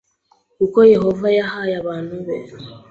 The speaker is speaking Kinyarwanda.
kuko Yehova yahaye abantu be